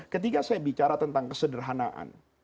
ketika saya bicara tentang kesederhanaan